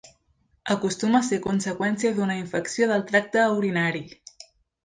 Acostuma a ser conseqüència d'una infecció del tracte urinari.